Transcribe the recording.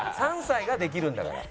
３歳ができるんだから。